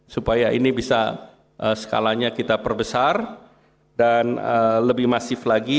supaya ini bisa skalanya kita perbesar dan lebih masif lagi